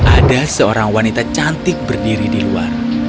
ada seorang wanita cantik berdiri di luar